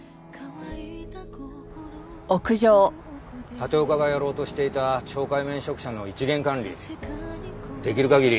立岡がやろうとしていた懲戒免職者の一元管理できる限り